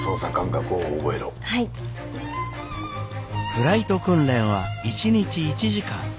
フライト訓練は一日１時間。